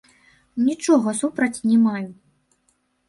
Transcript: Нічога супраць не маю.